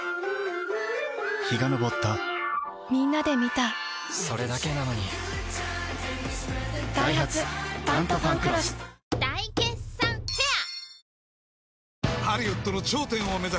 陽が昇ったみんなで観たそれだけなのにダイハツ「タントファンクロス」大決算フェア